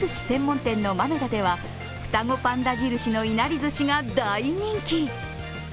専門店の豆狸では、双子パンダ印のいなりずしが大人気。